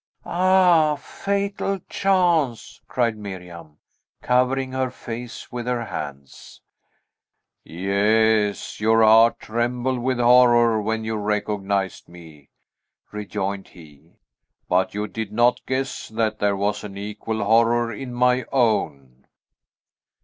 "Ah, fatal chance!" cried Miriam, covering her face with her hands. "Yes, your heart trembled with horror when you recognized me," rejoined he; "but you did not guess that there was an equal horror in my own!"